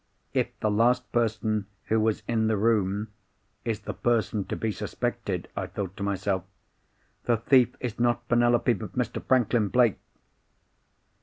'If the last person who was in the room is the person to be suspected,' I thought to myself, 'the thief is not Penelope, but Mr. Franklin Blake!